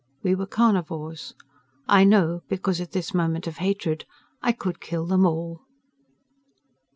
We were carnivores. I know, because, at this moment of hatred, I could kill them all.